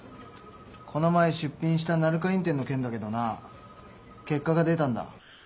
この前出品した鳴華院展の件だけどな結果が出たんだ。